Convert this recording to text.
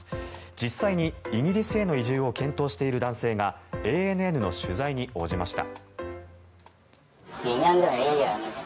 実際にイギリスへの移住を検討している男性がＡＮＮの取材に応じました。